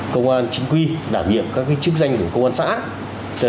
công an chính quy đảm nhiệm các chức danh của công an xã